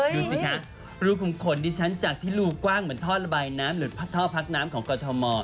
ดูสิคะรูขุมขนดิฉันจากที่รูกว้างเหมือนท่อระบายน้ำหรือท่อพักน้ำของกรทม